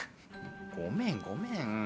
ごめんごめん。